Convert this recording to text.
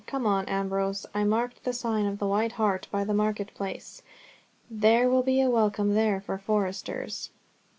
"Come on, Ambrose, I marked the sign of the White Hart by the market place. There will be a welcome there for foresters."